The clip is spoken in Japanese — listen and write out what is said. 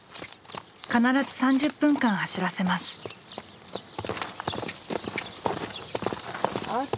必ず３０分間走らせます。ＯＫ。